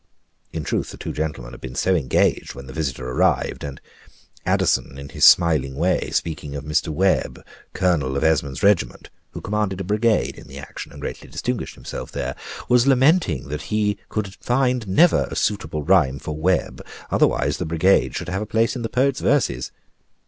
In truth, the two gentlemen had been so engaged when the visitor arrived, and Addison, in his smiling way, speaking of Mr. Webb, colonel of Esmond's regiment (who commanded a brigade in the action, and greatly distinguished himself there), was lamenting that he could find never a suitable rhyme for Webb, otherwise the brigade should have had a place in the poet's verses.